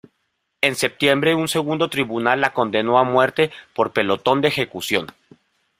En septiembre un segundo tribunal la condenó a muerte por pelotón de ejecución.